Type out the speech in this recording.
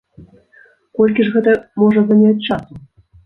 Колькі ж гэта можа заняць часу?